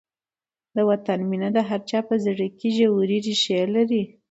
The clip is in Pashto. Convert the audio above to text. د وطن مینه د هر چا په زړه کې ژورې ریښې لري.